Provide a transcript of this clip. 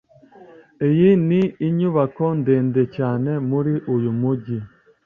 Iyi ni inyubako ndende cyane muri uyu mujyi.